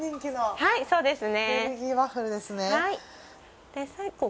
はいそうですね。